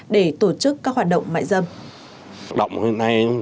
để tổ chức các bộ phòng ngừa